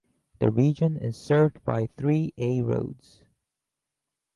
The region is served by three "A" roads.